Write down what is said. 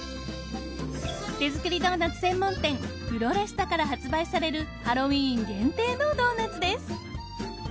手作りドーナツ専門店フロレスタから発売されるハロウィーン限定のドーナツです。